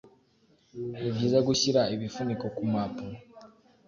Nibyiza gushira ibifuniko kumpapuro.